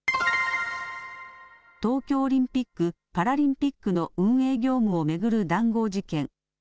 東京オリンピック・パラリンピックの運営業務を巡る談合事件。